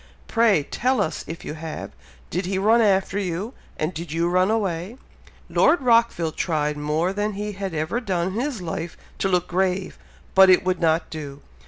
Pray tell us if you have? Did he run after you, and did you run away?" Lord Rockville tried more than he had ever done in his life to look grave, but it would not do.